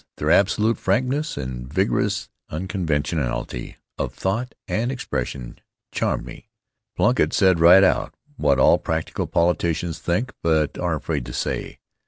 Their absolute frankness and vigorous unconventionality of thought and expression charmed me. Plunkitt said right out what all practical politicians think but are afraid to say.